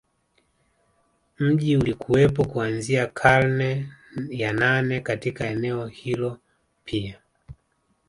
Mji ulikuwepo kuanzia karne ya nane Katika eneo hilo pia